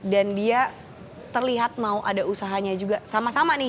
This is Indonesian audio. dan dia terlihat mau ada usahanya juga sama sama nih